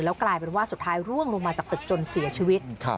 กลายเป็นว่าสุดท้ายร่วงลงมาจากตึกจนเสียชีวิต